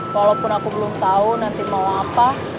walaupun aku belum tahu nanti mau apa